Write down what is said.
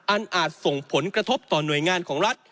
อาจส่งผลกระทบต่อหน่วยงานของรัฐ